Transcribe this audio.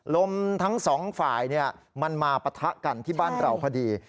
ลมทั้งสองฝ่ายมันมาปะทะกันที่บ้านเราพอดี